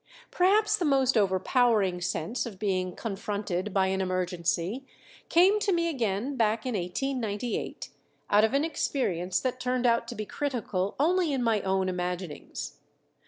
Perhaps the most overpowering sense of being confronted by an emergency came to me again back in 1898 out of an experience that turned out to be critical only in my own imaginings.